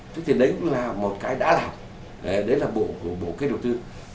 thế thì đấy cũng là một cái đã làm đấy là bộ kế đầu tư